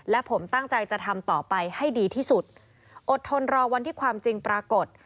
และผมตั้งใจจะทำต่อไปให้ดีที่สุดอดทนรอวันที่ความจริงปรากฏ